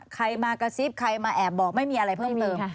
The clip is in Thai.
ใครมากระซิบใครมาแอบบอกไม่มีอะไรเพิ่มเติม